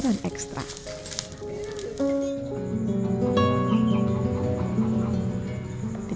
kemempat rekor tergilir